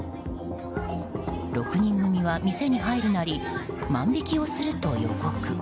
６人組は店に入るなり万引きをすると予告。